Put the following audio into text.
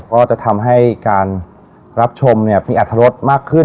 ก็จะทำให้การรับชมเนี่ยมีอัธรสมากขึ้น